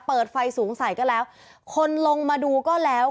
เปิดไฟสูงใส่ก็แล้วคนลงมาดูก็แล้ว